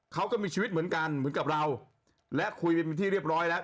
เขาก็มีชีวิตเหมือนกันเหมือนกับเราและคุยไปเป็นที่เรียบร้อยแล้ว